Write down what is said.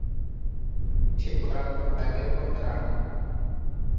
সে বরাবর দাগের ওপর দাঁড়ানো।